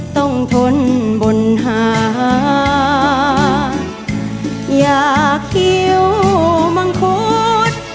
ต้องทนบนหาอย่าเขี้ยวมังคุด